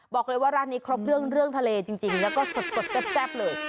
บอกเลยว่าร้านนี้ครบเครื่องเรื่องทะเลจริงแล้วก็สดแซ่บเลย